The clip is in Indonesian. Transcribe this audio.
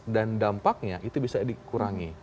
dan dampaknya itu bisa dikurangi